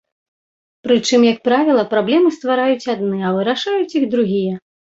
Прычым, як правіла, праблемы ствараюць адны, а вырашаюць іх другія.